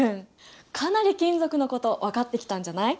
かなり金属のこと分かってきたんじゃない？